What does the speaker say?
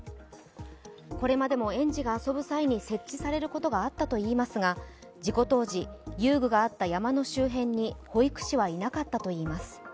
これまでも園児が遊ぶ際に設置されることがあったといいますが、事故当時、遊具があった山の周辺に保育士はいなかったといいます。